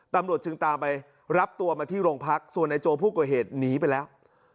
ตำรวจจึงตามไปรับตัวมาที่โรงพักส่วนนายโจผู้ก่อเหตุหนีไปแล้ว